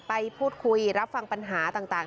ไปพูดคุยรับฟังปัญหาต่าง